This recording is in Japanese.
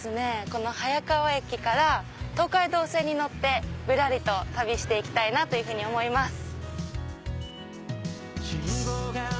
この早川駅から東海道線に乗ってぶらりと旅して行きたいなというふうに思います。